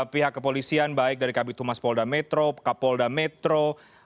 pihak kepolisian baik dari kabitumas polda metro kapolda metro